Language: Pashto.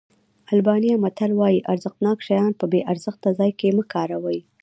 آلبانیا متل وایي ارزښتناک شیان په بې ارزښته ځای کې مه کاروئ.